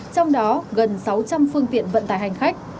trong đó gần sáu trăm linh phương tiện vận tải hành khách